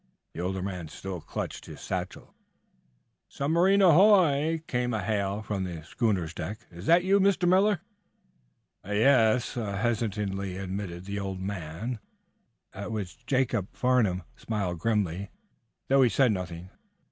The older man still clutched his satchel. "Submarine, ahoy!" came a hail from the schooner's deck. "Is that you, Mr. Miller?" "Ye es," hesitatingly admitted the older man, at which Jacob Farnum smiled grimly, though he said nothing.